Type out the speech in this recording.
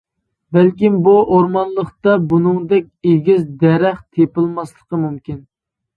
بەلكىم بۇ ئورمانلىقتا بۇنىڭدەك ئېگىز دەرەخ تېپىلماسلىقى مۇمكىن.